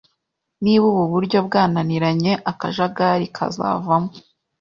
Niba ubu buryo bwananiranye akajagari kazavamo